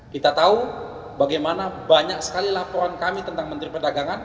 kita tahu bagaimana banyak sekali laporan kami tentang menteri perdagangan